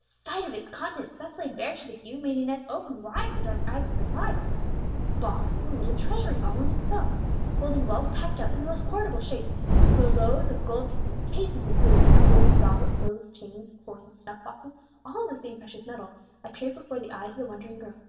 The sight of its contents, thus laid bare to the view, made Inez open wide her dark eyes with surprise. The box was a little treasury in itself, holding wealth packed up in the most portable shape. Rouleaus of gold pieces, cases of jewels, a golden goblet filled with chains, coins, snuff boxes, all of the same precious metal, appeared before the eyes of the wondering girl.